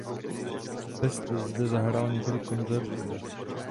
Liszt zde zahrál několik koncertů.